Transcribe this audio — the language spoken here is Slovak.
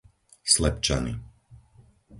Slepčany